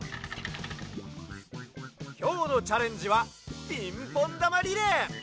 きょうのチャレンジはピンポンだまリレー！